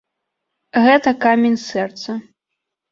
Гэта камень з сэрца.